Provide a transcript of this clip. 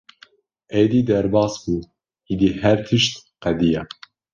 “Êdî derbas bû, êdî her tişt qediya!”